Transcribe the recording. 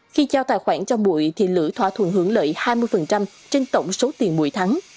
khi giao tài khoản cho mụi thì lữ thỏa thuận hưởng lợi hai mươi trên tổng số tiền mụi thắng